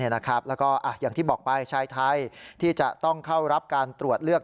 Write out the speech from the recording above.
แล้วก็อย่างที่บอกไปชายไทยที่จะต้องเข้ารับการตรวจเลือก